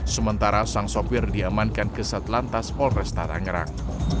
sementara sang sopir diamankan kesetelantas polres tangerang